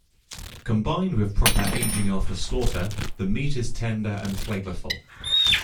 Combined with proper aging after slaughter, the meat is tender and flavorful.